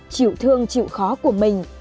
chịu thương chịu khó của mình